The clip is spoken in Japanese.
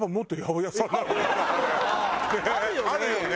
あるよね。